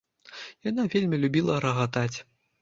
Яна вельмі любіла рагатаць.